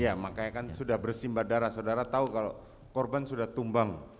iya makanya kan sudah bersimbah darah saudara tahu kalau korban sudah tumbang